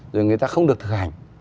rồi người ta không được thực hành